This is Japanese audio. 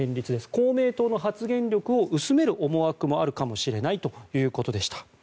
公明党の発言力を薄める思惑もあるかもしれないということでした。